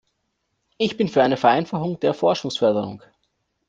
Ich bin für eine Vereinfachung der Forschungsförderung.